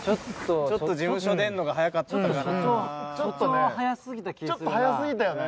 ちょっと事務所出るのが早かったかなちょっとねちょっと早すぎたよね